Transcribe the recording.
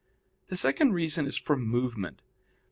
The second reason is from movement.